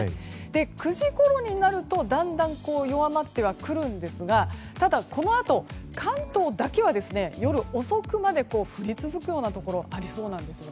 ９時ごろになるとだんだん弱まってはくるんですがただ、このあと関東だけは夜遅くまで降り続くようなところがありそうなんです。